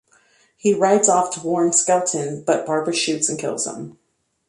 He rides off to warn Skelton, but Barbara shoots and kills him.